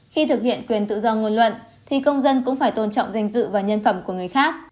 khi thực hiện quyền tự do ngôn luận thì công dân cũng phải tôn trọng danh dự và nhân phẩm của người khác